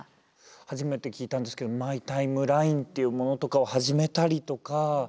初めて聞いたんですけどマイ・タイムラインっていうものとかを始めたりとか。